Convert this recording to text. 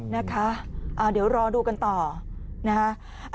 นะคะเดี๋ยวรอดูกันต่อนะคะ